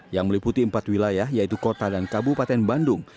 yang meliputi empat wilayah yaitu kota dan kabupaten bandung